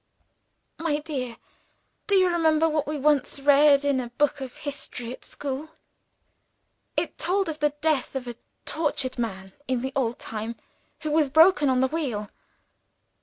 "My dear, do you remember what we once read in a book of history at school? It told of the death of a tortured man, in the old time, who was broken on the wheel.